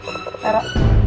gue mau pergi para